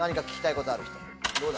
どうだ？